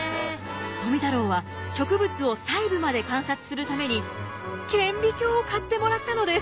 富太郎は植物を細部まで観察するために顕微鏡を買ってもらったのです。